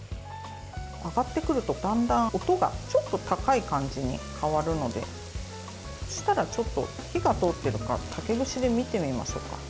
揚がってくると、だんだん音がちょっと高い感じに変わるのでそうしたら、火が通っているか竹串で見てみましょうか。